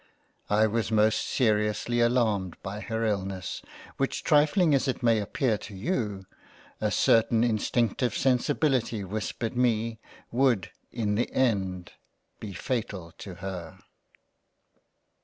I was most seriously alarmed by her illness which trifling as it may appear to you, a certain instinctive sensibility whispered me, would in the End be fatal to her.